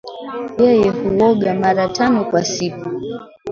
Yeye huoga mara tano kwa siku